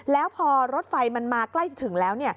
แล้วพอรถไฟมันมาใกล้จะถึงแล้ว